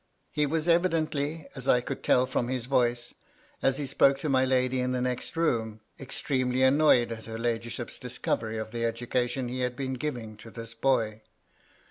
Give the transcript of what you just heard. He was evidently — as I could tell frt)m his voice, as he spoke to my lady in the next" room — ex tremely annoyed at her ladyship's discovery of the education he had been giving to this boy.